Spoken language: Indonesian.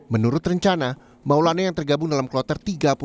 menurut rencana maulana yang tergabung dalam kloter tiga puluh dua